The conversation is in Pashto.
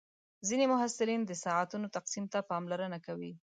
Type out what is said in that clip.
ځینې محصلین د ساعتونو تقسیم ته پاملرنه کوي.